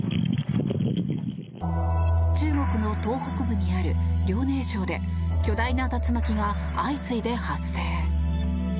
中国の東北部にある遼寧省で巨大な竜巻が相次いで発生。